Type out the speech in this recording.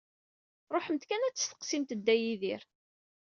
Ṛuḥemt kan ad testeqsimt Dda Yidir.